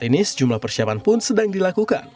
kini sejumlah persiapan pun sedang dilakukan